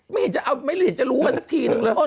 ไม่เห็นจะเอาไม่เห็นจะรู้กันสักทีนึงเลย